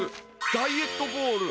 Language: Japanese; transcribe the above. ダイエットボール。